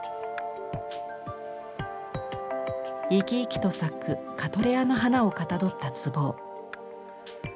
生き生きと咲くカトレアの花をかたどった壺。